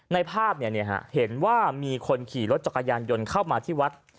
ในภาพเห็นว่ามีคนขี่รถจักรยานยนต์เข้ามาที่วัด